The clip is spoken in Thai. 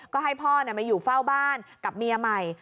ก็ให้พ่อมาอยู่เฝ้าบ้านกับเมียใหม่